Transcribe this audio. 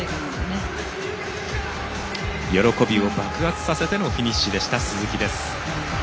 喜びを爆発させてのフィニッシュ、鈴木。